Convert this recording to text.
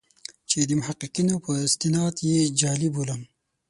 چې د محققینو په استناد یې جعلي بولم.